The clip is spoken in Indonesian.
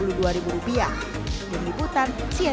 dihibutan cnn indonesia